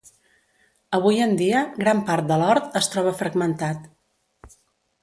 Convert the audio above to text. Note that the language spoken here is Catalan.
Avui en dia, gran part de l'hort es troba fragmentat.